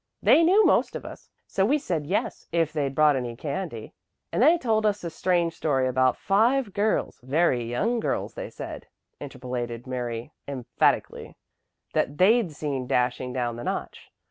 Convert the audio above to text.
They knew most of us. So we said yes, if they'd brought any candy, and they told us a strange story about five girls very young girls, they said," interpolated Mary emphatically, "that they'd seen dashing down the notch.